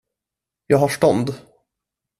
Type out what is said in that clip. Jag har stånd.